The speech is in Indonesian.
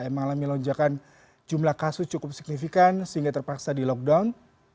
mengalami lonjakan jumlah kasus cukup signifikan sehingga terpaksa di lockdown